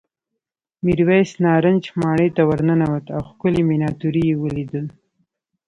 میرويس نارنج ماڼۍ ته ورننوت او ښکلې مېناتوري یې ولیدل.